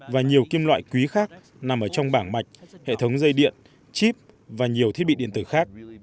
và nhiều kim loại quý khác nằm ở trong bảng mạch hệ thống dây điện chip và nhiều thiết bị điện tử khác